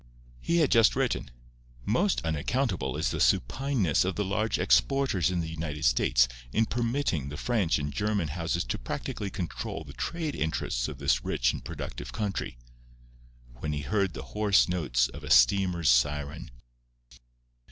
He had just written: "Most unaccountable is the supineness of the large exporters in the United States in permitting the French and German houses to practically control the trade interests of this rich and productive country"—when he heard the hoarse notes of a steamer's siren.